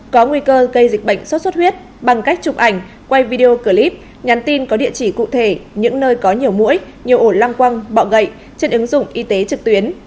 có nguy cơ gây dịch bệnh sốt xuất huyết bằng cách chụp ảnh quay video clip nhắn tin có địa chỉ cụ thể những nơi có nhiều mũi nhiều ổ lăng quăng bọ gậy trên ứng dụng y tế trực tuyến